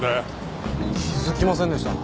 気づきませんでした。